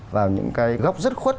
vào những cái góc rất khuất